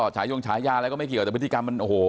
ฉายงฉายาอะไรก็ไม่เกี่ยวแต่พฤติกรรมมันโอ้โห